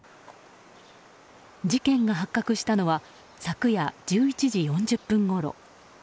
事件が発覚したのは昨夜１１時４０分ごろ。